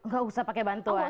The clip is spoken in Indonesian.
gak usah pakai bantuan